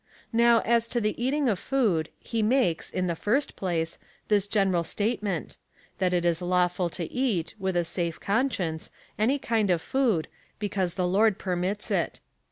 Now, as to the eating of food, he makes, in the first place, this general statement — that it is lawful to eat, with a safe conscience, any kind of food, because the Lord permits it.